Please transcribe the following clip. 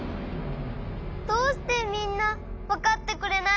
どうしてみんなわかってくれないの！？